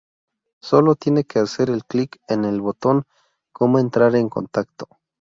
Sólo tiene que hacer clic en el botón "¿Cómo entrar en contacto?